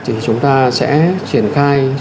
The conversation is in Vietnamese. thì chúng ta sẽ triển khai